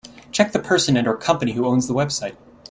Check the person and/or company who owns this website.